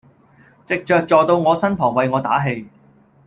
藉著坐到我身旁為我打氣